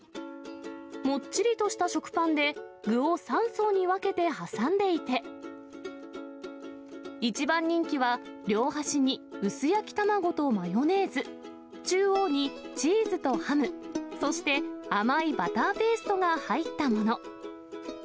もっちりとした食パンで、具を３層に分けて挟んでいて、一番人気は、両端に薄焼き卵とマヨネーズ、中央にチーズとハム、そして甘いバターペーストが入ったもの。